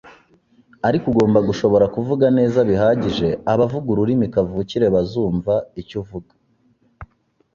ariko ugomba gushobora kuvuga neza bihagije abavuga ururimi kavukire bazumva icyo uvuga.